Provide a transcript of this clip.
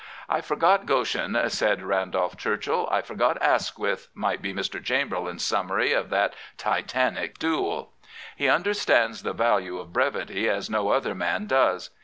" I forgot Goschen," said Randolph Churchill, " I forgot Asquith " might be Mr. Chamberlain's summary of that Titanic duel. He understands the value of brevity as no other man does.